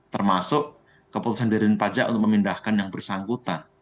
termasuk keputusan jendela dan pajak untuk memindahkan yang bersangkutan